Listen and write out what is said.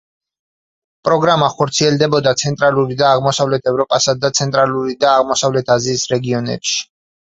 პროგრამა ხორციელდებოდა ცენტრალური და აღმოსავლეთ ევროპასა და ცენტრალური და აღმოსავლეთ აზიის რეგიონებში.